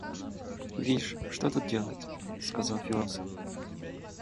Вишь, что тут делать? — сказал философ.